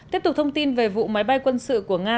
tiếp tục thông tin về vụ máy bay quân sự của nga